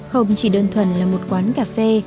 không chỉ đơn thuần là một quán cà phê